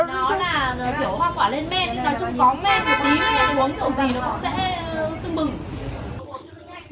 nó là kiểu hoa quả lên men nói chung có men một tí uống kiểu gì nó cũng sẽ tương bừng